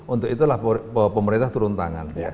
untuk itulah pemerintah turun tangan